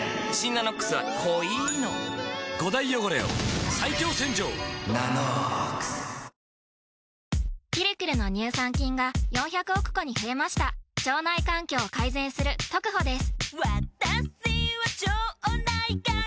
「ナノックス」「ピルクル」の乳酸菌が４００億個に増えました腸内環境を改善するトクホです